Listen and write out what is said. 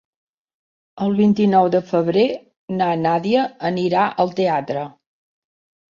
El vint-i-nou de febrer na Nàdia anirà al teatre.